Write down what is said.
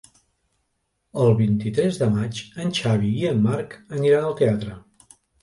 El vint-i-tres de maig en Xavi i en Marc aniran al teatre.